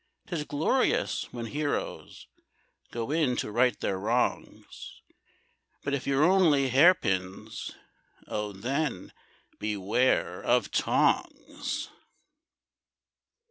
'Tis glorious when heroes Go in to right their wrongs; But if you're only hair pins, Oh, then beware of tongs!